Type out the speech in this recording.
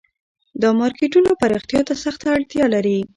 دا مارکیټونه پراختیا ته سخته اړتیا لري